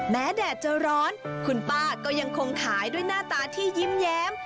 แดดจะร้อนคุณป้าก็ยังคงขายด้วยหน้าตาที่ยิ้มแย้ม